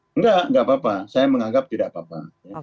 tidak tidak apa apa saya menganggap tidak apa apa